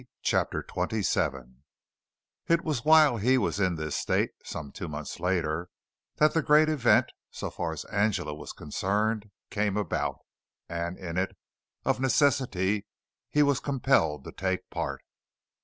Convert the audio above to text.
CHAPTER XXVII It was while he was in this state, some two months later, that the great event, so far as Angela was concerned, came about, and in it, of necessity, he was compelled to take part.